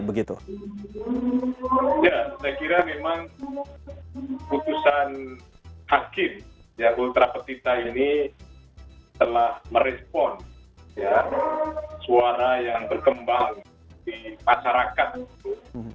ya saya kira memang putusan hakim ya ultra petita ini telah merespon suara yang berkembang di masyarakat gitu